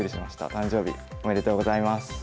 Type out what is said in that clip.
誕生日おめでとうございます！